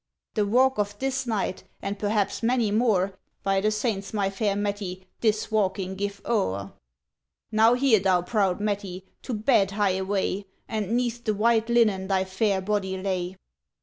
ŌĆ£The walk of this night, and perhaps many more, By the Saints, my fair Mettie, this walking give oŌĆÖer. ŌĆ£Now hear thou proud Mettie, to bed hie away, And ŌĆÖneath the white linen thy fair body lay.